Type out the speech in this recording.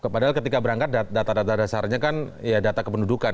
padahal ketika berangkat data data dasarnya kan ya data kependudukan